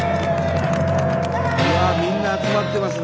うわっみんな集まってますね。